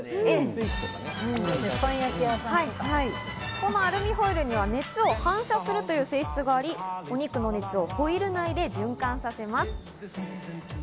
このアルミホイルには熱を反射するという性質があり、お肉の熱をホイル内で循環させます。